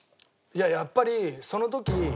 いややっぱりその時。